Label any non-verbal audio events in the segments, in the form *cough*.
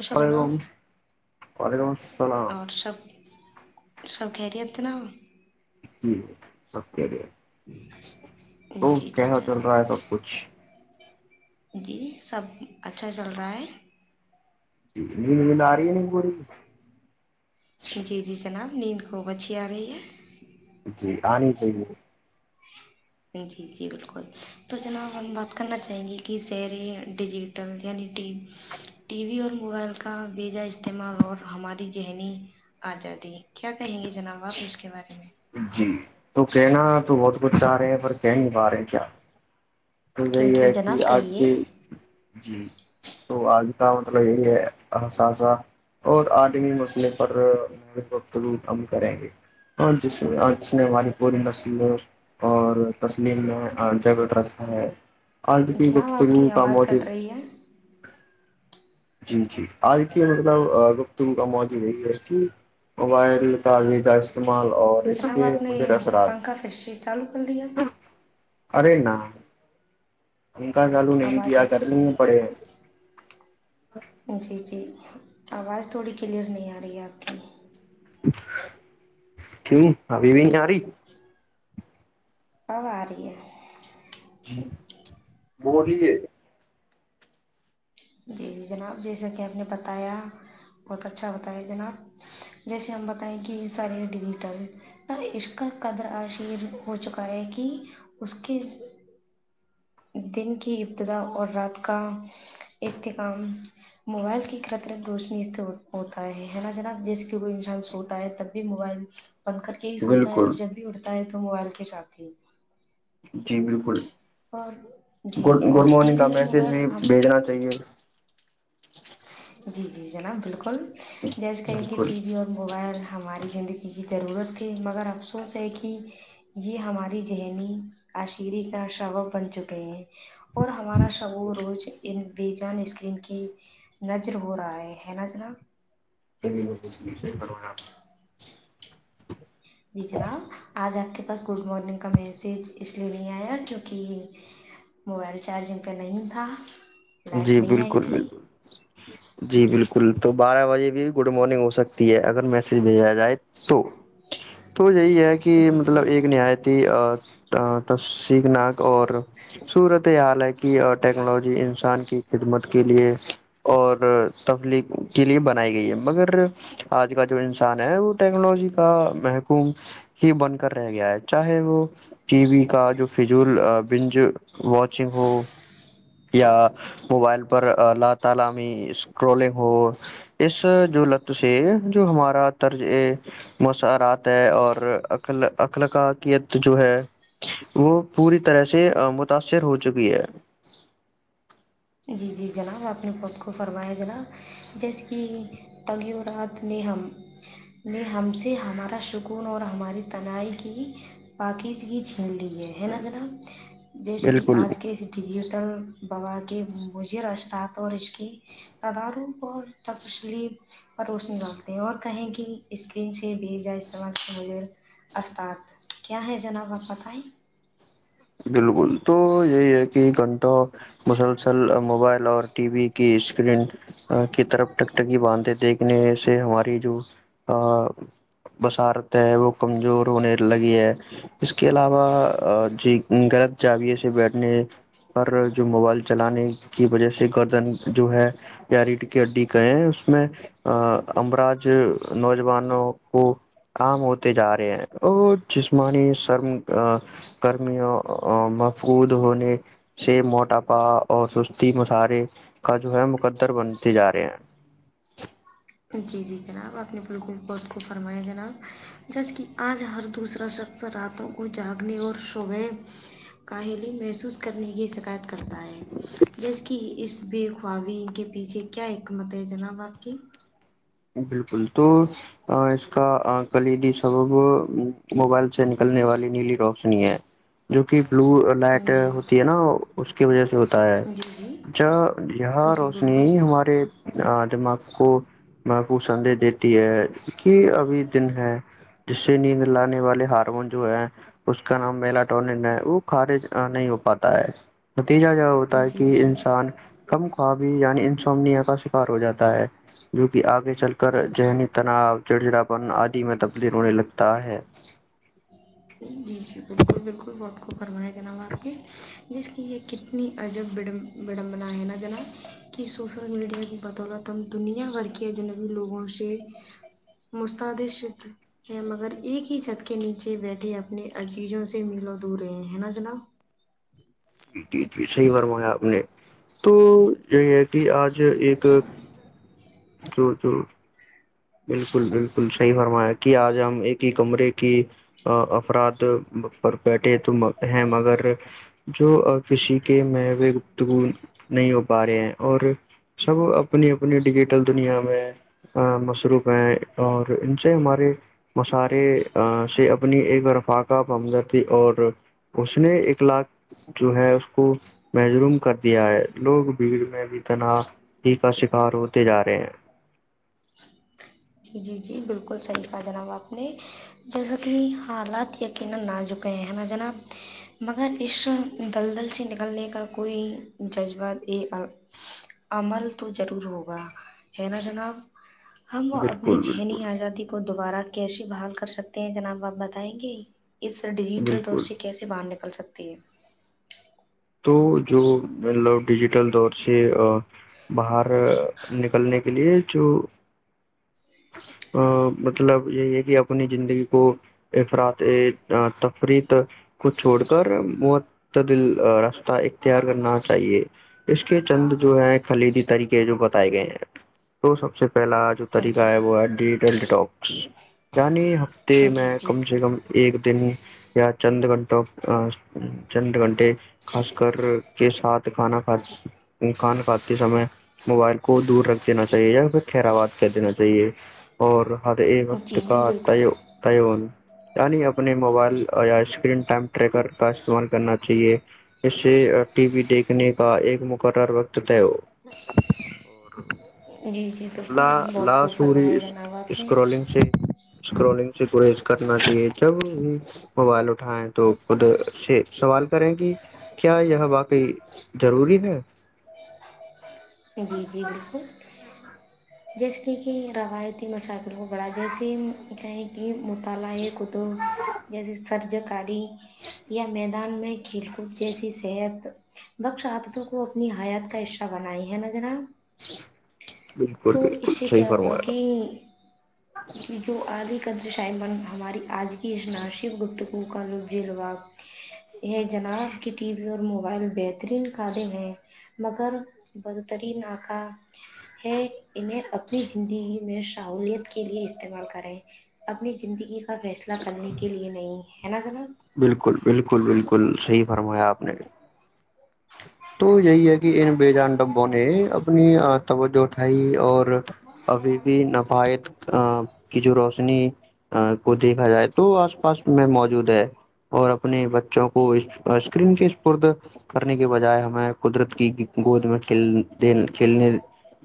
سب جناب وعلیکم وعلیکم السلام اور سب سب گیریت ن جی ہے ست د تو جی جی کیسا چل رہا ہے جناب سب کچھ جی سب اچھا چل رہا ہے ج نہیں زین آ رہی ہے نہیں ب جی جی جناب نیند کو بچیا رہی ہے جی آنی چاہیے جی جی بالکل تو جناب ہم بات کرنا چاہیں گے کہ سیریں ڈیجیٹل یعنی ٹی وی اور موبائل کا بیجا استعمال اور ہماری ذہنی آزادی کیا کہیں گے جناب باپ اسش کے بارے میں تو کہناا تو بہت بتارے ہیں پر کہیں با رہے کیا تو کیوں رہی کیوں ہے کہ جناب آج کہیے بھی جی تو آج کا مطلب یہی ہے اساذہ اور عالمی مسئلے پرفتلوط عم کریں گے اور جس ج نے ہماری پوری نسل اور تسلیم میں جگڑ رکھ ہ آج کی جناب وقت کر آپ کی کام آواز آتے کٹ رہی ہے جی ج آ دیکھیے مطلب گفتگو کا موجو یہی ہے کہ موبائل تعو جناب آپ نے پنکھا ف شری چالو کر لیا ارے ن انک چالو نہیں آواز کیا آپ کی کرنے پڑے جی جی آواز تھوڑی کلیئر نہیں آ رہی ہے آپ کی کیوں ا بھیئی ساری ا آ رہی ہے جی وہ رہ ہے جی جی جناب جیسا کہ ہم نے بتایا بہت اچھا ہوتایا جناب جیسے ہم بتائیں کہ سارے ڈیجیٹل اس کا قدر عشیر ہو چکا ہے کہ اس کے دن کی ابتدا اور رات کا استحکام موبائل کی خطرک روشنی اس ہوتا ہے نا جناب جیسے کہ کوئی انسان سوتا ہے تب بھی موبائل بند کر کے ہی سوتا ہے بالکل اور جب بھی ہے تو موبائل کے ساتھ ہی جی بالکل اور جی گڈ گڈ اور ٹی مارننگ کا وی اور میسج موبائل بھی ہم بھیجنا چاہیے جی جی جناب بالکل جیسے کہیں کہ بالکل ٹی وی اور موبائل ہماری زندگی کی ضرورت تھی مگر افسوس ہے کہ یہ ہماری ذہنی عاشیرے کا شعب بن چکے ہیں اور ہمارا شعو روز ان بے جان اسکرین کی نظر ہو رہا ہے ہے ن جر کرونا جی جناب آج آپ کے باس گڈ مارننگ کا میسیج اس لیے نہیں آیا کیونکہ موبائل چارجنگ کاہ نہیں تھا لائٹ جی نہیں آئی بالکل تھی بالکل جی بالکل تو بارہ بجے بھی گڈ مارننگ ہو سکتی ہے اگر میسیج بھیجا جائے تو تو یہی ہے کہ جی مطلب جی ایک نایتی ا تف سیک ناک اور سورت یہ حال ہے کی اور ٹیکنالوجی کی خدمت کے لیے اور تفلیق کے لیے بنائی گئی ہے مگر آج کا جو انسان ہے وہ ٹیکنالوجی کا محکوم ہی بن کر رہ گیا ہے چاہے وہ ٹی وی کا جو فجول بنج واچنگ ہو یا موبائل پر ل تعالامی اسکرولنگ ہو اس جو لط سے جو ہمارا طرز مسرات ہے اور عل اخلقاکیت جو ہے وہ پوری طرح سے متاثر ہو چکی ہے جی جی جناب اپنے پود کو فرمایا جناب جیسے کہ تغورات نے ہم نے ہم سے ہمارا سکون اور ہماری تنہائی کی پاکیزگی چھین لی ہے ہے نا جناب جیسے کہ بالکل آج کے اس ڈیجیٹل بہات کہ مجر اتاات اور اس کے تدار اور تفسلی پروشنی ڈالتے ہیں اور کہیں کہ اسکرین سے بھیجا استعمال مجھے استاد کیا ہے جناب آپ بتائیں بالکل تو یہی ہے کہ گھنٹوں مسلسل موبائل اور ٹی وی کی اسکرین کی طرفک ٹکی باندھے دیکھنے سے ہماری جو بصارت ہے وہ کمزور ہونے لگی ہے اس کے علاوہ جی جاویے سے بیٹھنے پر جو موبائل چلانے کی وجہ سے گردن جو ہے یا ریھ کے اڈی گئے ہیں اس میں امراج نوجوانوں کو کاام ہوتے جا رہے ہیں اور جسمانی سرم کرمیوں مففود ہونے سے موٹاپا اور سستی مشرے کا جو ہے مقدر بنتے جا رہے ہیں جی جی جناب اپنی بالکل خت کو فرمایا جناب جیسے کہ آج ہر دوسرا شخص راتوں کو جاگنے اور شعبے کاہلی محسوس کرنے کی شکایت کرتا ہے جیس کہ اس بے خوابی کے پیچھے کیا حکمت ہے جناب آپ کی بالکل تو اس کا کلیدی سبب موبائل سے نکلنے والی نیلی روشنی ہے جو کہ و لائٹ جی ہوتی ہے نا اس کی وجہ سے ہوتا ہے جی جی یہاں جی روشنی بالکل ہی جی ہمارے دماغ ا محفوظ سدیش دیتی ہے کہ ابھی دن ہے جس سے نیند لانے والے ہارمون جو ہے اس کا نام ملاٹ ہے وہ کارج نہیں ہو پاتا ہے تیجا ج ہوتا ہے کہ جی انسان کم خوابی یعنی انسنیا ہو جاتا ہے جو کہ آگے چل کر ذہنی تناؤ چڑچڑاپن آدی میں تبدل ہونے لگتا ہے جی جی بالکل بالکل بہت خب فرمیا ج ن ہ آپ کی جس کی یہ کتنی عجب بڈمبنا ہے نا جناب کہ سوسل میڈیا کی بدولت ہم دنیا بھر کے اجنبی لوگوں سے مستدش ہے مگر ایک ہی چت کے نیچے بیٹھے اپنے عجیزوں سے ملو دور رہے ہیں نا جناب جی جی جی صحیح فرمایا آپ نے تو یہ کہ آج ایک *inaudible* بالکل بالکل صحیح فرمایا کہ آج ہم ایک کمرے کی افراد پر بیٹھے تو ہیں مگر جو کسی کے م گفتگ نہیں ہو پا رہے ہیں اور سب اپنی اپنی ڈیجیٹل دنیا میں روپ ہیں اور ان سے ہمارے مسارے سے اپنی ایک رفاقہ پمدر دی اور اس نے الاق جو ہے اس کو محروم کر دیا ہے لوگ بھیڑ میں بھی تناہ ہی کا شکار ہوتے جا رہے ہیں جی جی جی بالکل صحیح کہا جناب آپ نے جیسا کہ حالات یقینا نہ جکے ہیں نا جناب مگر اس دلدل سے نکلنے کا کوئی جذبہ عمل تو ضرور ہوگا ہے نا جناب ہم بالکل بالکل جہنی آ جاتی کوئی دوبارہ کیسی بھال کر سکتے ہیں جناب آپ بتائیں گے اس ڈیجیٹل دور بالکل سے کیس باندنے بل سکتی ہے تو جو مطلب ڈیجیٹل دور سے باہر نکلنے کے لیے جو ا مطلب یہی ہے کہ اپنی زندگی کو افرط تفریت کو چھوڑ کر معتدل راستہ اختیار کرنا چاہیے اس کے چند جو ہے خلیدی طریقے جو بتائے گئے ہیں تو سب سے پہلا آ جو ہے طریق جی گائے بہڈ ٹی ٹاک یعنی ت میں جی جی کم سے کم ایک دن ہی یا چند گھنٹوں چند گھنٹے خاص کر کے ساتھ کھانا کھ کھانا کھاتے سمے موبائل کو دور رکھ دینا چاہیے یا پھر کراواد کہ دینا چاہیے صحی ہے اور ہ یہ وقت جی کا جی ت بالکل تی یعنی اپنے موبائل یا اسکرین ٹائم ٹریکر کا استعمال کرنا چاہیے اس سے ٹی وی دیکھنے کا ایک مقرر وقت طے ہو اور جی جی بالکل بہت خوب سوری فرمایا جناب آپ نے اسکرولنگ سے اسکرولنگ سے گیز کرنا چاہے جب وہ موبائل اٹھائیں تو خود سے سوال کریں گ کیا یہ واقعی ضروری ہے جی جی بالکل جیسے کہ روایتی موٹر سائیکل کو بڑا جیسےیں کہ موٹر کال ہے کت جیسے سرجکاری *unintelligible* یا میں دان میں کھیل کود جیسے صحت بخش آادتوں کو اپنی حیات کا حصہ بنائے ہیں ن جرا *unintelligible* بالکل تو اس بالکل سے صحیح کیا ہوگا فرمایا کہ جو آگے کے *unintelligible* ج شاہ من ہماری آج ہی ک ناشی بٹ کا لبظیلاب یہ جناب کی ٹی وی اور موبائل بہترین کادم ہیں مگر بدترین ناکہ ہے انہیں اپنی زندگی میں سہولیت کے لیے استعمال کریں اپنی زندگی کا فیصلہ کرنے کے لیے نہیں ہے ن جانا بالکل بالکل بالکل صحیح فرمایا آپ نے تو یہی ہے کہ ان بیےجان ڈبوں نے اپنی توجہ اٹھائی اور ابھی بھی نفایت ا کی جو روشنی کو دیکھا جائے تو آس پاس میں موجود ہے اور اپنے بچوں کو اسکرین کے اسپد کرنے کے بجائے ہم ہم قدرت کی گود میں کھیلنے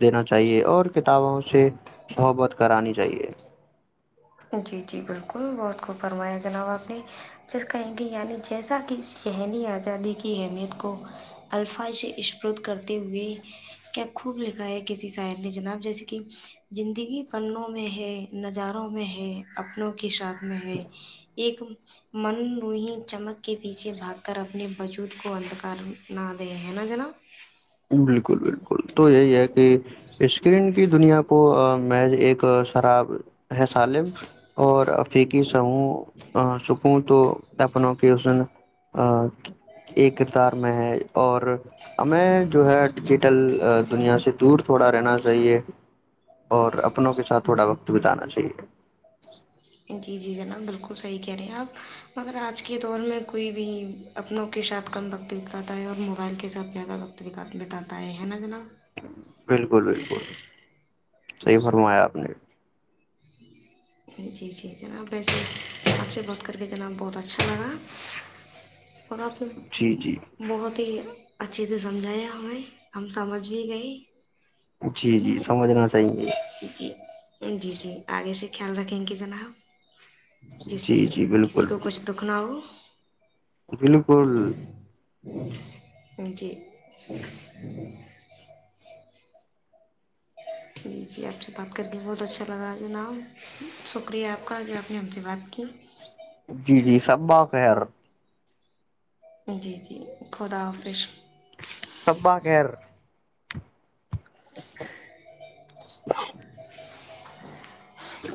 دینا چاہیے اور کتابوں سے بحبت کرانی چاہیے *unintelligible* جی جی بالکل بہت خوب فرمایا جناب آپ نے جس کہیں گے یعنی جیسا کہ ذہنی آزادی کی اہمیت کو الفاظ عشپرط کرتے ہوئے کیا خوب لکھا ہے کسی صاحر نے جناب جیسے کہ زندگی پنوں میں ہے نظاروں میں ہے اپنوں کی سات میں ایک من روہی چمک کے پیچھے بھاگ کر اپنے بجود کو اندکار نہ دے ہیں نا جنا بالکل بالکل تو یہی ہے کہ اسکرین کی دنیا کو م ایک شراب ہے الم اور افیقی چوں سک تو اپنوں کی اسن ایک کردار میں ہے اوریں جو ہے ڈیجیٹل دنیا سے دور تھوڑا رہنا چاہیے اور اپنوں کے ساتھ تھوڑا وقت بتانا چاہیے جی جی جناب بالکل صحیح کہہ رہے ہیں آپ مگر آج کے دور میں کوئی بھی اپنوں کے ساتھ کم وقت بتاتا ہے اور موبائل کے ساتھ زیادہ وقت بتا بتاتا ہے نا جناب بالکل بالکل صحیح فرمایا آپ نے جی جی جناب ویسے آپ سے بات کر کے جناب بہت اچھا لگا پ جی پ جی بہت ہی اچھے سے سمجھایا ہمیں ہم سمجھ بھی گئے جی جی سمجھنا چاہیے جی جی جی آگے سے خیال رکھیں گ جنا ہ جیسے جی جی کسی بالکل کو کچھ دکھ نہ ہو بالکل ان ج جی جی آپ سے بات کر کے بہت اچھا لگا جناب شکریہ آپ کا جو آپ نے ہم سے بات کی جی جی سب بق ہے جی جی د خوودا آفش صبا خیر *inaudible* ہاں اچھ